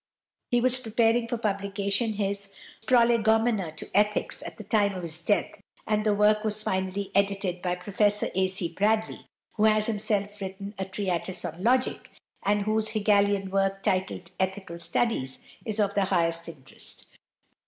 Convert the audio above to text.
He was preparing for publication his "Prolegomena to Ethics" at the time of his death, and the work was finally edited by Professor A. C. Bradley, who has himself written a treatise on logic, and whose Hegelian work, entitled "Ethical Studies," is of the highest interest.